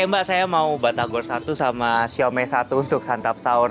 ya mbak saya mau batagor satu sama xiaomay satu untuk santap sahur